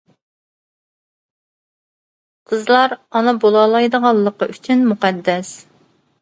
قىزلار ئانا بولالايدىغانلىقى ئۈچۈن مۇقەددەس.